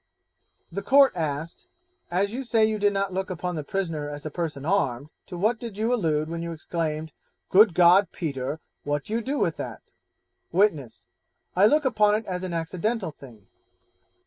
The Court asked, 'As you say you did not look upon the prisoner as a person armed, to what did you allude when you exclaimed, "Good God, Peter, what do you do with that?"' Witness 'I look upon it as an accidental thing.'